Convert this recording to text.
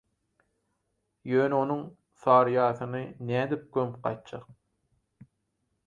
Ýöne onuň «Saryýasyny» nädip, gömüp gaýtjak.